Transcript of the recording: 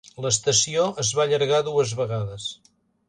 L'estació es va allargar dues vegades.